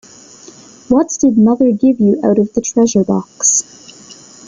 What did mother give you out of the treasure-box?